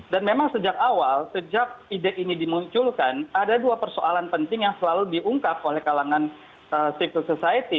dan memang sejak awal sejak ide ini dimunculkan ada dua persoalan penting yang selalu diungkap oleh kalangan siklususayti